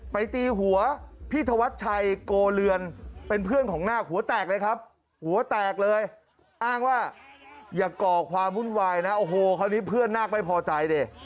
ตีหัวพี่ธวัดชัยโกเรือนเป็นเพื่อนของนาคหัวแตกเลยครับหัวแตกเลยอ้างว่าอย่าก่อความวุ่นวายนะโอ้โหคราวนี้เพื่อนนาคไม่พอใจดิ